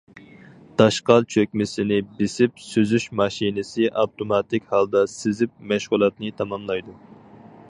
داشقال چۆكمىسىنى بېسىپ سۈزۈش ماشىنىسى ئاپتوماتىك ھالدا سېزىپ، مەشغۇلاتنى تاماملايدۇ.